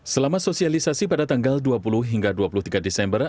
selama sosialisasi pada tanggal dua puluh hingga dua puluh tiga desember